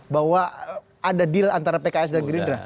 bahwa ada deal antara pks dan gerindra